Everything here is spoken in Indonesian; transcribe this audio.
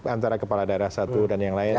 antara kepala daerah satu dan yang lain